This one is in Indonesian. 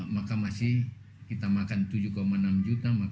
maka masih kita makan tujuh enam juta